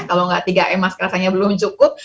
kalau tidak tiga m masker rasanya belum cukup